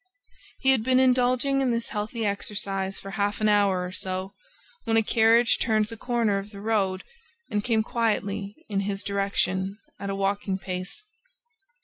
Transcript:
He had been indulging in this healthy exercise for half an hour or so, when a carriage turned the corner of the road and came quietly in his direction, at a walking pace.